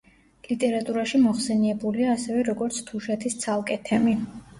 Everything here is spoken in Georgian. ლიტერატურაში მოხსენიებულია ასევე, როგორც თუშეთის ცალკე თემი.